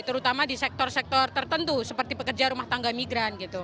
terutama di sektor sektor tertentu seperti pekerja rumah tangga migran gitu